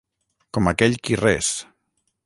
Com aquell qui res.